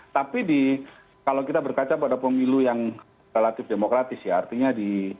tapi kalau kita berkaca pada pemilu yang relatif demokratis ya artinya di